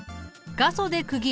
画素で区切る。